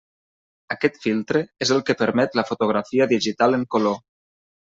Aquest filtre és el que permet la fotografia digital en color.